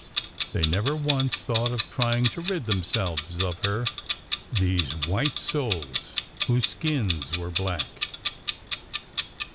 They never once thought of trying to rid themselves of her — these white souls whose skins were black.